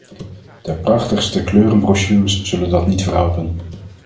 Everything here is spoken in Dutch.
De prachtigste kleurenbrochures zullen dat niet verhelpen.